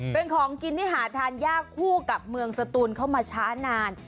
เป็นของกินที่หาทานยากคู่กับเมืองสตูนเข้ามาช้านาน